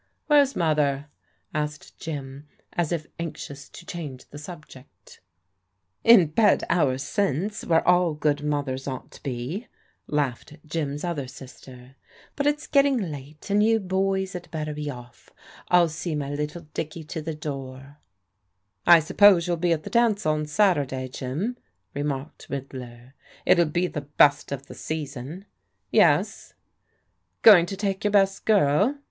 "Where's Mother?" asked Jim as if anxious to change the subject, In bed hours since, where all good mothers ought to be," laughed Jim's other sister. " But it's getting late, and you boys had better be oflE. I'll see my little Diclqg to the door." " I suppose youll be at the dance on Saturday, Jim/' remarked Riddler. " It'll be the best of the season." "Yes." " Going to take your best girl